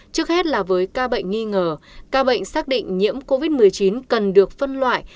trước hết là với ca bệnh nghi ngờ ca bệnh xác định nhiễm covid một mươi chín cần được phân loại